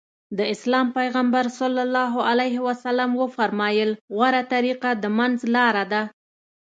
د اسلام پيغمبر ص وفرمايل غوره طريقه د منځ لاره ده.